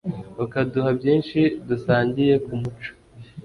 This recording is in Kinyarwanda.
ukaduha byinshi dusangiye ku muco